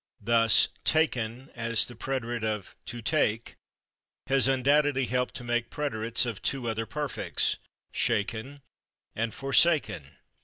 Thus /taken/, as the preterite of /to take/, has undoubtedly helped to make preterites of two other perfects, /shaken/ and /forsaken